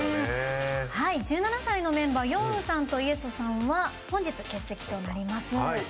１７歳のメンバーヨンウンさんとイェソさんは本日欠席となります。